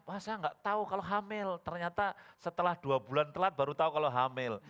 masa nggak tahu kalau hamil ternyata setelah dua bulan telat baru tahu kalau hamil